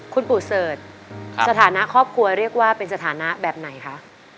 คุณปู่เสิร์ชสถานะครอบครัวเรียกว่าเป็นสถานะแบบไหนคะ